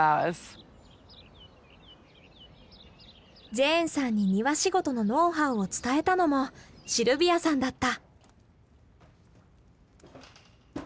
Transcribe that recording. ジェーンさんに庭仕事のノウハウを伝えたのもシルビアさんだった。